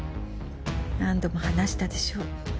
何度も話したでしょ